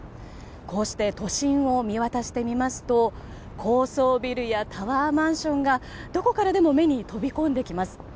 こうして都心を見渡してみますと高層ビルやタワーマンションがどこからでも目に飛び込んできます。